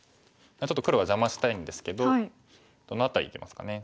ちょっと黒は邪魔したいんですけどどの辺りいきますかね。